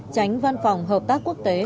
tránh văn phòng hợp tác quốc tế